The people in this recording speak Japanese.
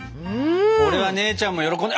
これは姉ちゃんも喜んで。